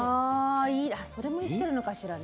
それも生きてるのかしらね。